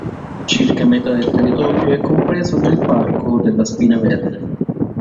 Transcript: Circa metà del territorio è compreso nel parco della Spina Verde.